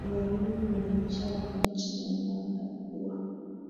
za kuonesha wananchi namna watakuwa